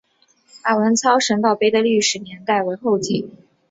马文操神道碑的历史年代为后晋。